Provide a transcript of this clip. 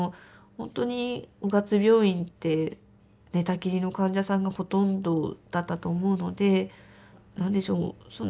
本当に雄勝病院って寝たきりの患者さんがほとんどだったと思うので何でしょうその